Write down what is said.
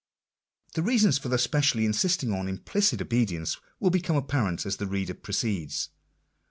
The reasons for thus specially insisting on implicit obedience will become apparent as the reader proceeds.